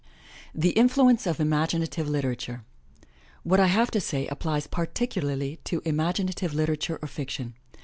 THE INFLUENCE OF IMAGINATIVE LITERATURE What I have to say applies particularly to imaginative liter ature or fiction.